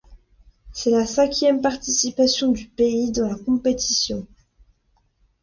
C'est la cinquième participation du pays dans la compétition.